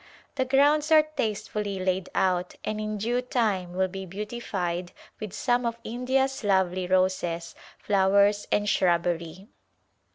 The grounds are tastefully laid out and in due time will be beautified with some of India's lovely roses, flowers and shrub bery.